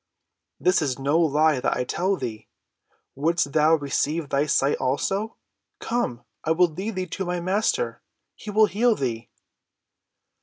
"This is no lie that I tell thee. Wouldst thou receive thy sight also? Come, I will lead thee to my Master. He will heal thee."